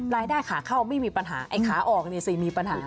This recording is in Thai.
รายได้ขาเข้าไม่มีปัญหาไอ้ขาออกเนี่ยสิมีปัญหา